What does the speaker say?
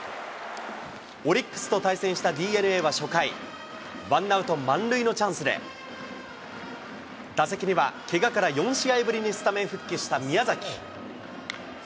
オリックスと対戦したＤｅＮＡは初回、ワンアウト満塁のチャンスで、打席にはけがから４試合ぶりにスタメン復帰した宮崎。